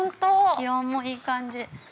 ◆気温もいい感じ。